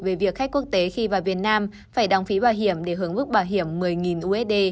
về việc khách quốc tế khi vào việt nam phải đóng phí bảo hiểm để hưởng mức bảo hiểm một mươi usd